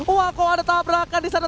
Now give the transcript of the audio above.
wah kok ada tabrakan disana